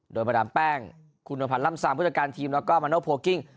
โดยมาดามแป้งคุณนวพันธ์ล่ำซามผู้จัดการทีมแล้วก็มาโนโพลกิ้ง